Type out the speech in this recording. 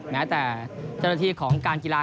เนื้อแต่เจ้าตีของการกีราศตร์